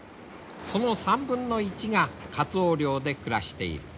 その３分の１がカツオ漁で暮らしている。